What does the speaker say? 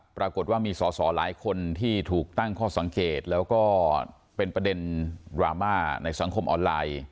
ปรากฏว่ามีสอสอหลายคนที่ถูกตั้งข้อสังเกตแล้วก็เป็นประเด็นดราม่าในสังคมออนไลน์